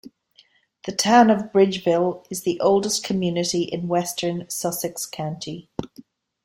The town of Bridgeville is the oldest community in western Sussex County.